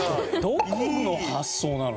どこの発想なの？